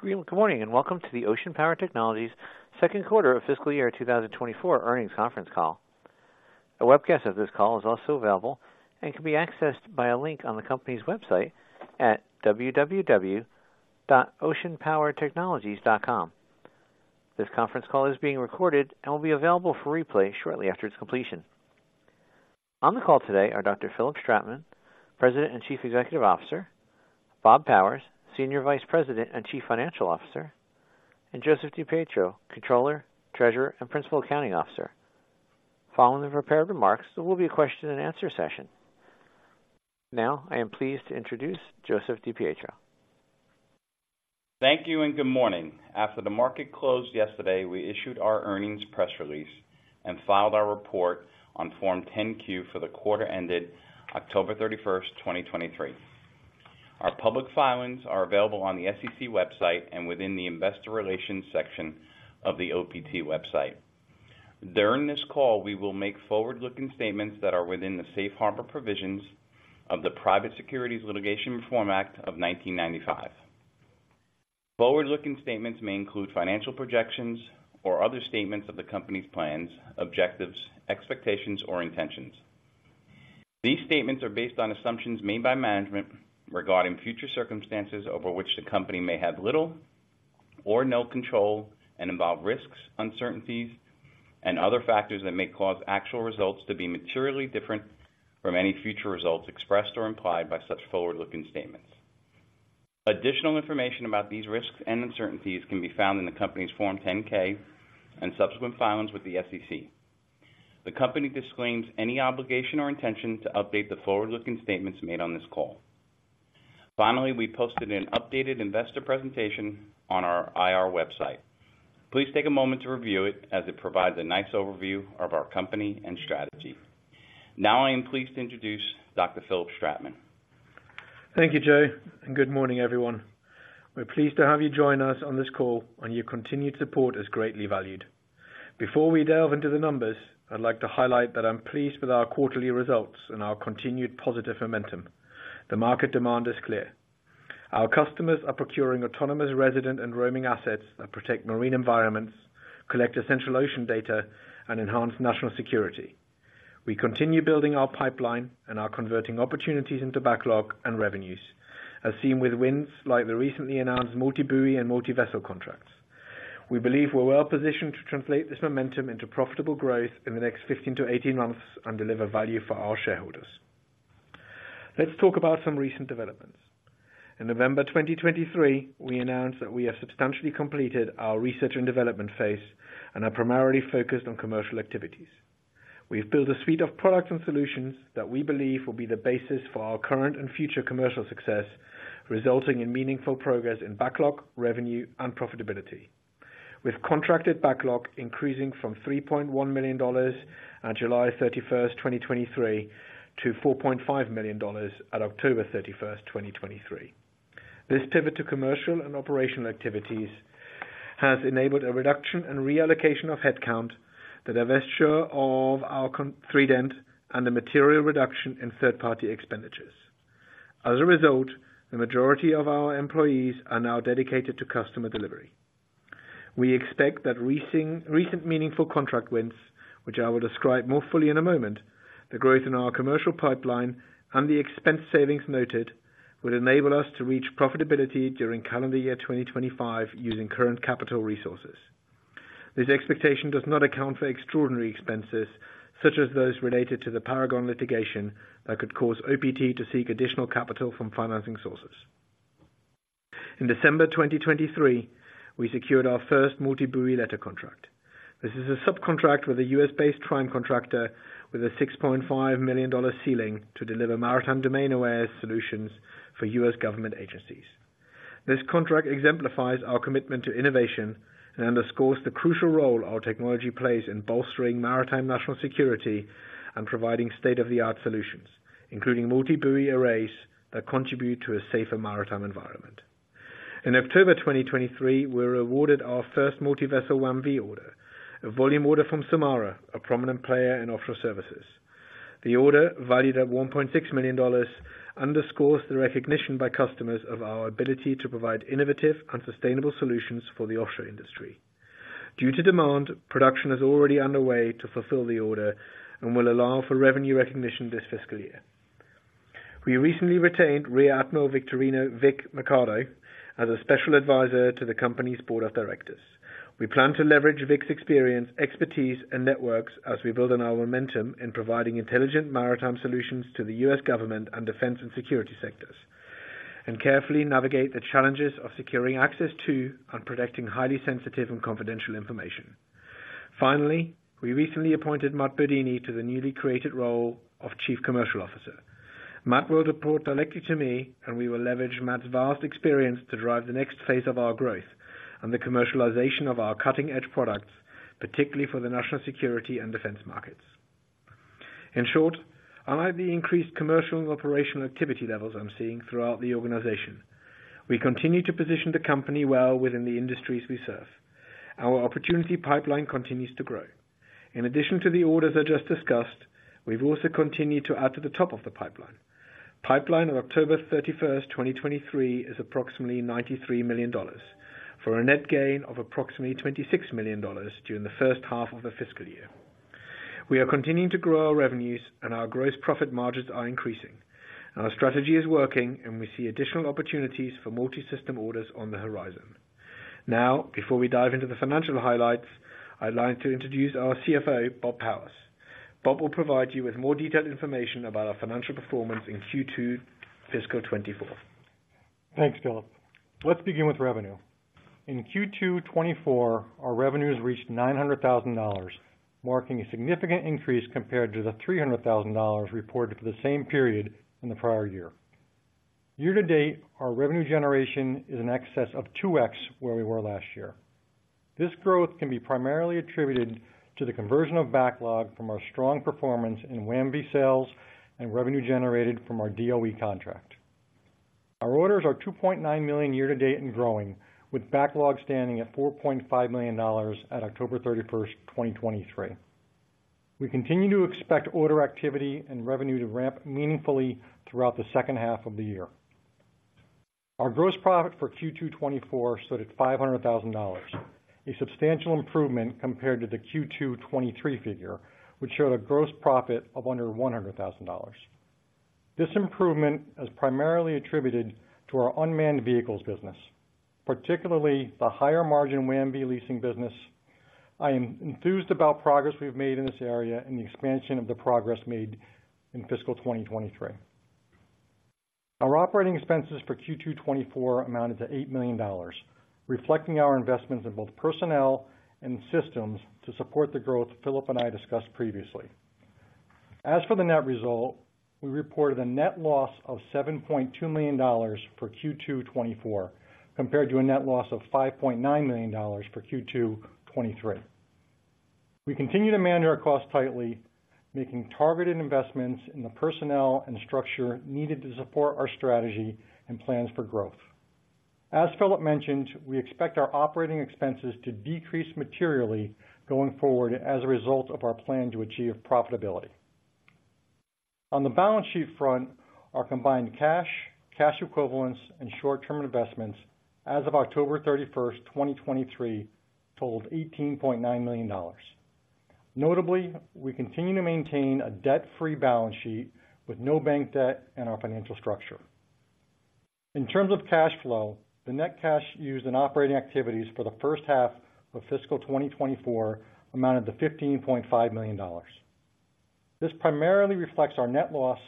Good, good morning, and welcome to the Ocean Power Technologies second quarter of fiscal year 2024 earnings conference call. A webcast of this call is also available and can be accessed by a link on the company's website at www.oceanpowertechnologies.com. This conference call is being recorded and will be available for replay shortly after its completion. On the call today are Dr. Philipp Stratmann, President and Chief Executive Officer, Bob Powers, Senior Vice President and Chief Financial Officer, and Joseph DiPietro, Controller, Treasurer, and Principal Accounting Officer. Following the prepared remarks, there will be a question and answer session. Now, I am pleased to introduce Joseph DiPietro. Thank you, and good morning. After the market closed yesterday, we issued our earnings press release and filed our report on Form 10-Q for the quarter ended October 31st, 2023. Our public filings are available on the SEC website and within the Investor Relations section of the OPT website. During this call, we will make forward-looking statements that are within the Safe Harbor provisions of the Private Securities Litigation Reform Act of 1995. Forward-looking statements may include financial projections or other statements of the company's plans, objectives, expectations, or intentions. These statements are based on assumptions made by management regarding future circumstances over which the company may have little or no control and involve risks, uncertainties, and other factors that may cause actual results to be materially different from any future results expressed or implied by such forward-looking statements. Additional information about these risks and uncertainties can be found in the company's Form 10-K and subsequent filings with the SEC. The company disclaims any obligation or intention to update the forward-looking statements made on this call. Finally, we posted an updated investor presentation on our IR website. Please take a moment to review it as it provides a nice overview of our company and strategy. Now, I am pleased to introduce Dr. Philipp Stratmann. Thank you, Joe, and good morning, everyone. We're pleased to have you join us on this call, and your continued support is greatly valued. Before we delve into the numbers, I'd like to highlight that I'm pleased with our quarterly results and our continued positive momentum. The market demand is clear. Our customers are procuring autonomous resident and roaming assets that protect marine environments, collect essential ocean data, and enhance national security. We continue building our pipeline and are converting opportunities into backlog and revenues, as seen with wins like the recently announced multi-buoy and multi-vessel contracts. We believe we're well positioned to translate this momentum into profitable growth in the next 15months-18 months and deliver value for our shareholders. Let's talk about some recent developments. In November 2023, we announced that we have substantially completed our research and development phase and are primarily focused on commercial activities. We've built a suite of products and solutions that we believe will be the basis for our current and future commercial success, resulting in meaningful progress in backlog, revenue, and profitability. With contracted backlog increasing from $3.1 million on July 31st, 2023, to $4.5 million on October 31st, 2023. This pivot to commercial and operational activities has enabled a reduction and reallocation of headcount, the divestiture of our contract 3Dent, and the material reduction in third-party expenditures. As a result, the majority of our employees are now dedicated to customer delivery. We expect that recent meaningful contract wins, which I will describe more fully in a moment, the growth in our commercial pipeline and the expense savings noted, will enable us to reach profitability during calendar year 2025 using current capital resources. This expectation does not account for extraordinary expenses, such as those related to the Paragon litigation, that could cause OPT to seek additional capital from financing sources. In December 2023, we secured our first multi-buoy letter contract. This is a subcontract with a U.S.-based prime contractor with a $6.5 million ceiling to deliver Maritime Domain Awareness solutions for U.S. government agencies. This contract exemplifies our commitment to innovation and underscores the crucial role our technology plays in bolstering maritime national security and providing state-of-the-art solutions, including multi-buoy arrays that contribute to a safer maritime environment. In October 2023, we were awarded our first multi-vessel WAM-V order, a volume order from Sulmara, a prominent player in offshore services. The order, valued at $1.6 million, underscores the recognition by customers of our ability to provide innovative and sustainable solutions for the offshore industry. Due to demand, production is already underway to fulfill the order and will allow for revenue recognition this fiscal year. We recently retained Rear Admiral Victorino "Vic" Mercado as a special advisor to the company's board of directors. We plan to leverage Vic's experience, expertise, and networks as we build on our momentum in providing intelligent maritime solutions to the U.S. government and defense and security sectors, and carefully navigate the challenges of securing access to and protecting highly sensitive and confidential information. Finally, we recently appointed Matt Burdyny to the newly created role of Chief Commercial Officer. Matt will report directly to me, and we will leverage Matt's vast experience to drive the next phase of our growth and the commercialization of our cutting-edge products, particularly for the national security and defense markets. In short, amid the increased commercial and operational activity levels I'm seeing throughout the organization, we continue to position the company well within the industries we serve. Our opportunity pipeline continues to grow. In addition to the orders I just discussed, we've also continued to add to the top of the pipeline on October 31st, 2023, is approximately $93 million, for a net gain of approximately $26 million during the first half of the fiscal year. We are continuing to grow our revenues, and our gross profit margins are increasing. Our strategy is working, and we see additional opportunities for multi-system orders on the horizon. Now, before we dive into the financial highlights, I'd like to introduce our CFO, Bob Powers. Bob will provide you with more detailed information about our financial performance in Q2 fiscal 2024. Thanks, Philipp. Let's begin with revenue. In Q2 2024, our revenues reached $900,000, marking a significant increase compared to the $300,000 reported for the same period in the prior year. Year to date, our revenue generation is in excess of 2x where we were last year. This growth can be primarily attributed to the conversion of backlog from our strong performance in WAM-V sales and revenue generated from our DOE contract. Our orders are $2.9 million year to date and growing, with backlog standing at $4.5 million at October 31st, 2023. We continue to expect order activity and revenue to ramp meaningfully throughout the second half of the year. Our gross profit for Q2 2024 stood at $500,000, a substantial improvement compared to the Q2 2023 figure, which showed a gross profit of under $100,000. This improvement is primarily attributed to our unmanned vehicles business, particularly the higher-margin WAM-V leasing business. I am enthused about progress we've made in this area and the expansion of the progress made in fiscal 2023. Our operating expenses for Q2 2024 amounted to $8 million, reflecting our investments in both personnel and systems to support the growth Philipp and I discussed previously. As for the net result, we reported a net loss of $7.2 million for Q2 2024, compared to a net loss of $5.9 million for Q2 2023. We continue to manage our costs tightly, making targeted investments in the personnel and structure needed to support our strategy and plans for growth. As Philipp mentioned, we expect our operating expenses to decrease materially going forward, as a result of our plan to achieve profitability. On the balance sheet front, our combined cash, cash equivalents, and short-term investments as of October 31st, 2023, totaled $18.9 million. Notably, we continue to maintain a debt-free balance sheet with no bank debt in our financial structure. In terms of cash flow, the net cash used in operating activities for the first half of fiscal 2024 amounted to $15.5 million. This primarily reflects our net loss,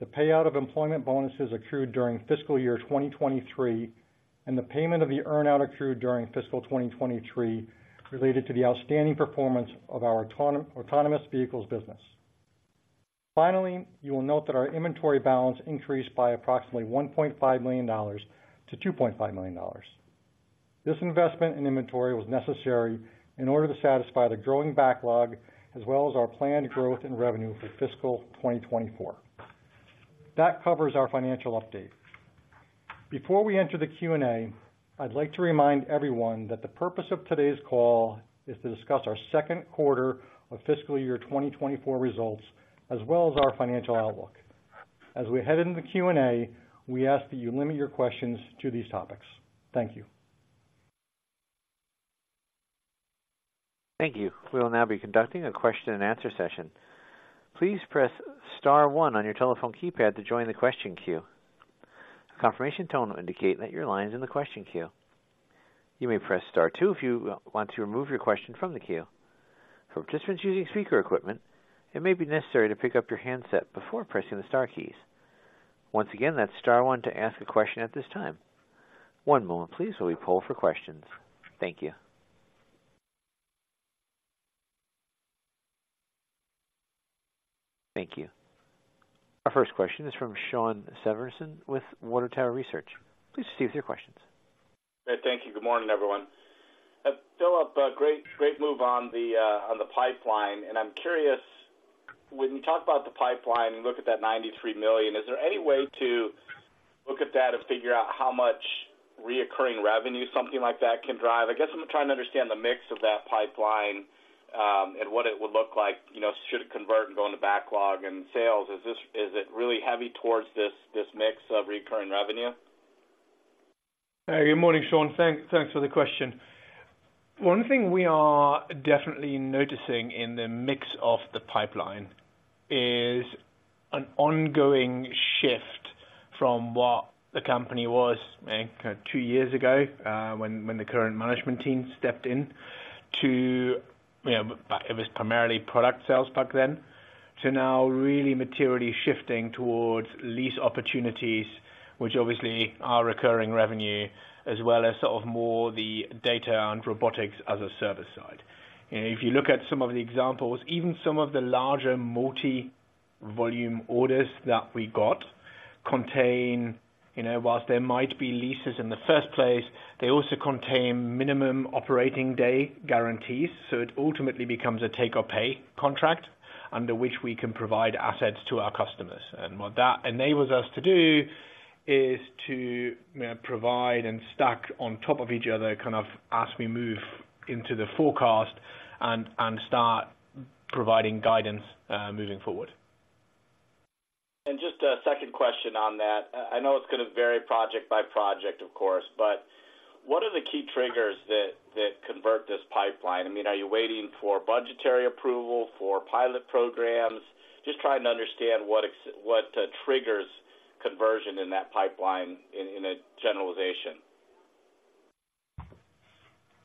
the payout of employment bonuses accrued during fiscal year 2023, and the payment of the earn-out accrued during fiscal year 2023, related to the outstanding performance of our autonomous vehicles business. Finally, you will note that our inventory balance increased by approximately $1.5 million to $2.5 million. This investment in inventory was necessary in order to satisfy the growing backlog, as well as our planned growth in revenue for fiscal year 2024. That covers our financial update. Before we enter the Q and A, I'd like to remind everyone that the purpose of today's call is to discuss our second quarter of fiscal year 2024 results, as well as our financial outlook. As we head into the Q and A, we ask that you limit your questions to these topics. Thank you. Thank you. We will now be conducting a question and answer session. Please press star one on your telephone keypad to join the question queue. A confirmation tone will indicate that your line is in the question queue. You may press star two if you want to remove your question from the queue. For participants using speaker equipment, it may be necessary to pick up your handset before pressing the star keys. Once again, that's star one to ask a question at this time. One moment please, while we poll for questions. Thank you. Thank you. Our first question is from Shawn Severson with Water Tower Research. Please proceed with your questions. Thank you. Good morning, everyone. Philipp, a great, great move on the pipeline. I'm curious, when you talk about the pipeline and look at that $93 million, is there any way to look at that and figure out how much recurring revenue something like that can drive? I guess I'm trying to understand the mix of that pipeline, and what it would look like, you know, should it convert and go into backlog and sales. Is it really heavy towards this, this mix of recurring revenue? Good morning, Shawn. Thanks, thanks for the question. One thing we are definitely noticing in the mix of the pipeline is an ongoing shift from what the company was, I think, two years ago, when the current management team stepped in to, you know, it was primarily product sales back then, to now really materially shifting towards lease opportunities, which obviously are recurring revenue, as well as sort of more the data and robotics as a service side. And if you look at some of the examples, even some of the larger multi-volume orders that we got contain, you know, while there might be leases in the first place, they also contain minimum operating day guarantees, so it ultimately becomes a take or pay contract under which we can provide assets to our customers. And what that enables us to do-... is to, you know, provide and stack on top of each other, kind of as we move into the forecast and start providing guidance moving forward. Just a second question on that. I know it's gonna vary project by project, of course, but what are the key triggers that convert this pipeline? I mean, are you waiting for budgetary approval, for pilot programs? Just trying to understand what triggers conversion in that pipeline in a generalization.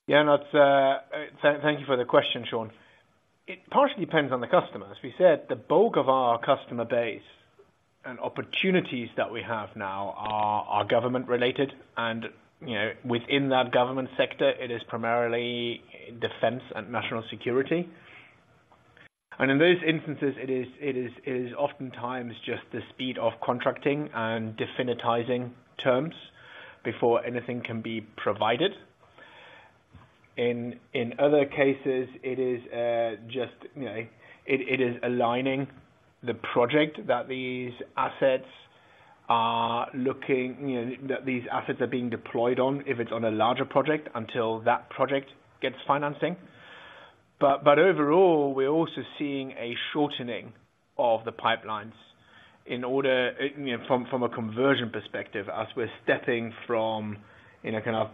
Yeah, that's. Thank, thank you for the question, Shawn. It partially depends on the customer. As we said, the bulk of our customer base and opportunities that we have now are, are government-related, and, you know, within that government sector, it is primarily defense and national security. And in those instances, it is, it is, it is oftentimes just the speed of contracting and definitizing terms before anything can be provided. In, in other cases, it is, just, you know, it, it is aligning the project that these assets are looking, you know, that these assets are being deployed on, if it's on a larger project, until that project gets financing. But overall, we're also seeing a shortening of the pipelines in order, you know, from a conversion perspective, as we're stepping from, you know, kind of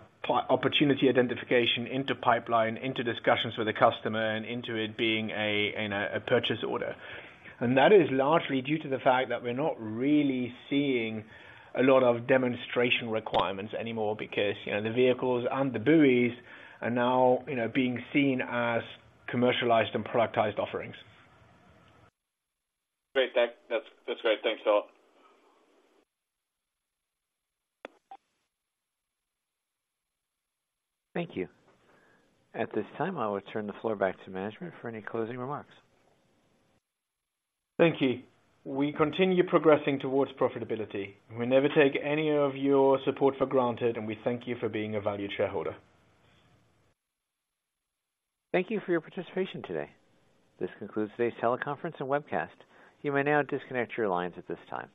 opportunity identification into pipeline, into discussions with the customer and into it being a, you know, a purchase order. And that is largely due to the fact that we're not really seeing a lot of demonstration requirements anymore because, you know, the vehicles and the buoys are now, you know, being seen as commercialized and productized offerings. Great, that's, that's great. Thanks a lot. Thank you. At this time, I will turn the floor back to management for any closing remarks. Thank you. We continue progressing towards profitability, and we never take any of your support for granted, and we thank you for being a valued shareholder. Thank you for your participation today. This concludes today's teleconference and webcast. You may now disconnect your lines at this time.